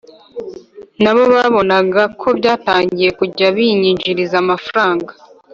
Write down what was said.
na bo babonaga ko byatangiye kujya binyinjiriza amafaranga